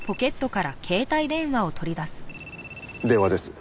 電話です。